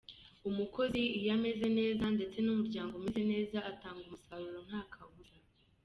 Umukozi iyo ameze neza ndetse n’umuryango umeze neza, atanga umusaruro nta kabuza.